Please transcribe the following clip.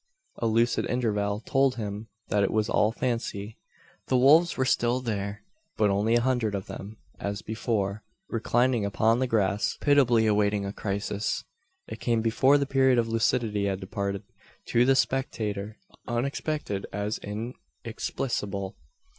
A lucid interval told him that it was all fancy. The wolves were still there; but only a hundred of them as before, reclining upon the grass, pitiably awaiting a crisis! It came before the period of lucidity had departed; to the spectator unexpected as inexplicable.